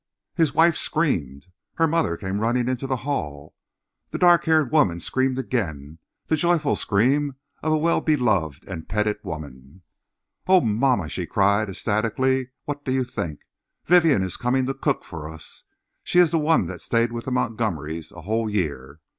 His wife screamed. Her mother came running into the hall. The dark haired woman screamed again—the joyful scream of a well beloved and petted woman. "Oh, mamma!" she cried ecstatically, "what do you think? Vivienne is coming to cook for us! She is the one that stayed with the Montgomerys a whole year.